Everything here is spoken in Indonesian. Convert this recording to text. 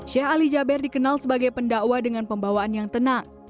sheikh ali jaber dikenal sebagai pendakwa dengan pembawaan yang tenang